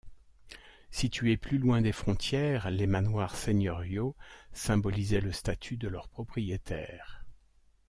Situés plus loin des frontières, les manoirs seigneuriaux symbolisaient le statut de leur propriétaire.